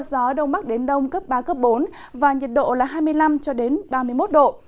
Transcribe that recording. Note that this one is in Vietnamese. gió đông mắc đến đông cấp ba bốn và nhiệt độ là hai mươi năm ba mươi một độ